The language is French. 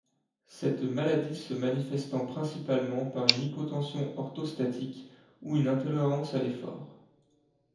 Cette maladie se manifestant principalement par une hypotension orthostatique ou une intolérance à l'effort.